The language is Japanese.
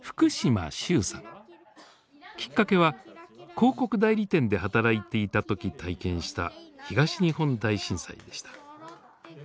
きっかけは広告代理店で働いていた時体験した東日本大震災でした。